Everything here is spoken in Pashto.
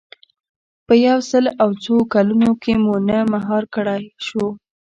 په یو سل او څو کلونو کې مو نه مهار کړای شو.